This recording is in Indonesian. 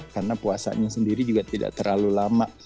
karena puasanya sendiri juga tidak terlalu lama